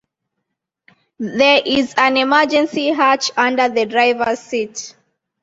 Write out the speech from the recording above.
There is an emergency hatch under the driver's seat.